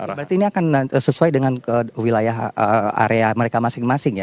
berarti ini akan sesuai dengan wilayah area mereka masing masing ya